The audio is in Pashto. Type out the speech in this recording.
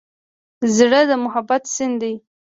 زړه د محبت سیند دی.